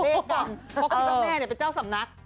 เพราะที่ต้องแม่เป็นเจ้าสำนัก